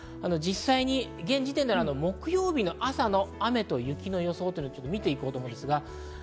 実際に現時点で木曜日の朝の雨と雪の予想と見て行こうと思います。